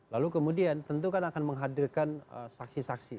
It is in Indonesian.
lalu kemudian tentu kan akan menghadirkan saksi saksi